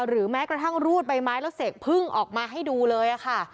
แม้กระทั่งรูดใบไม้แล้วเสกพึ่งออกมาให้ดูเลยค่ะ